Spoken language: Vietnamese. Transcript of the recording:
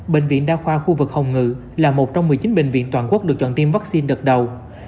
bệnh viện đa khoa khu vực hồng ngự là một trong một mươi chín bệnh viện toàn quốc được chọn tiêm vaccine đợt đầu